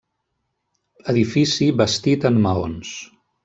Edifici bastit en maons.